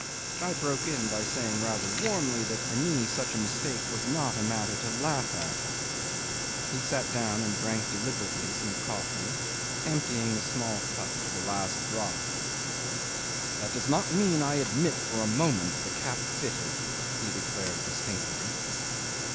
I broke in by saying rather warmly that for me such a mistake was not a matter to laugh at. He sat down and drank deliberately some coffee, emptying the small cup to the last drop. "That does not mean I admit for a moment the cap fitted," he declared distinctly.